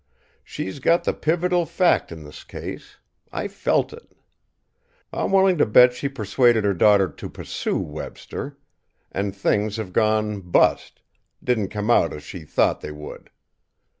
"She's got the pivotal fact in this case. I felt it. I'm willing to bet she persuaded her daughter to pursue Webster. And things have gone 'bust' didn't come out as she thought they would.